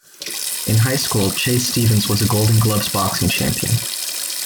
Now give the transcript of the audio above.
In high school, Chase Stevens was a Golden Gloves boxing champion.